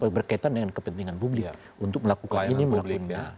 berkaitan dengan kepentingan publik untuk melakukan ini melakukan